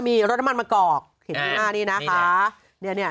มีรสน้ำมันมะกอกเห็นที่หน้านี้นะคะ